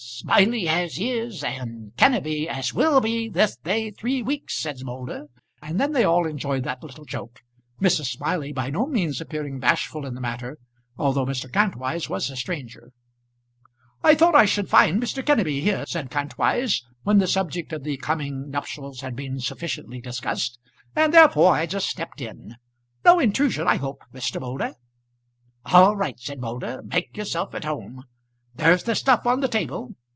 "Smiley as is, and Kenneby as will be this day three weeks," said Moulder; and then they all enjoyed that little joke, Mrs. Smiley by no means appearing bashful in the matter although Mr. Kantwise was a stranger. "I thought I should find Mr. Kenneby here," said Kantwise, when the subject of the coming nuptials had been sufficiently discussed, "and therefore I just stepped in. No intrusion, I hope, Mr. Moulder." "All right," said Moulder; "make yourself at home. There's the stuff on the table.